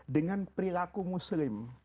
dengan perilaku muslim